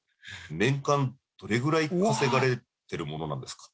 年間どれぐらい稼がれてるものなんですか？